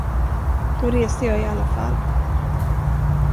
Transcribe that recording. Då reser jag i alla fall.